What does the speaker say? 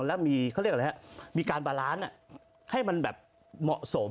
และมีการบาร้านให้มันแบบเหมาะสม